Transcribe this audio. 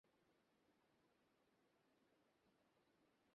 আপনি যে আমার কাছে গিয়েছিলেন তা মনে আছে?